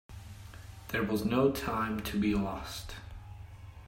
There was no time to be lost.